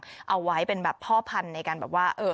เอาไว้เป็นแบบพ่อพันธุ์ในการแบบว่า